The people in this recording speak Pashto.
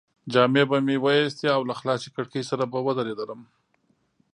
جامې به مې وایستې او له خلاصې کړکۍ سره به ودرېدم.